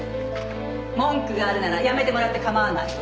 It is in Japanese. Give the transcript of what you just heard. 文句があるなら辞めてもらって構わない。